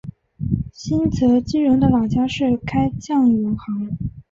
新泽基荣的老家是开酱油行。